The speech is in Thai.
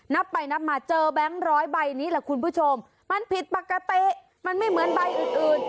นับไปนับมาเจอแบงค์ร้อยใบนี้แหละคุณผู้ชมมันผิดปกติมันไม่เหมือนใบอื่นอื่น